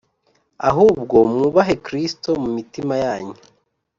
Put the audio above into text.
ahubwo mwubahe Kristo mu mitima yanyu